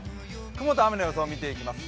雲と雨の予想を見ていきます。